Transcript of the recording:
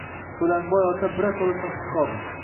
To‘lanboy ota birato‘la shoshib qoldi